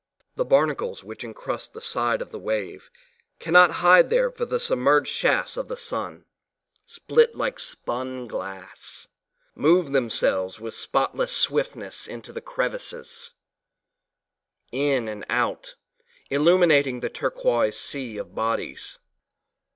The barnacles which encrust the side of the wave, cannot hide there for the submerged shafts of the POEMS BY MARIANNE MOORE sun, split like spun glass, move themselves with spotlike swift ness into the crevices in and out, illuminating the turquoise sea of bodies.